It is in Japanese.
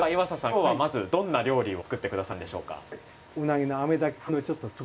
今日はまずどんな料理を作って下さるんでしょうか？